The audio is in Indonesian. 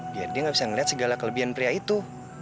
biar dia gak bisa melihat segala kelebihan pria itu